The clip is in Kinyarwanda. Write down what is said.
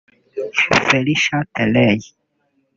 Felisha Terrell